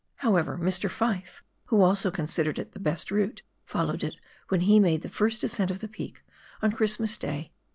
However, Mr. Fyfe, wbo also considered it tbe best route, followed it when he made the first ascent of the peak on Christmas day, 1894.